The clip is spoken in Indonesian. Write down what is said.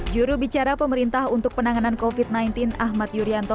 jurubicara pemerintah untuk penanganan covid sembilan belas ahmad yuryanto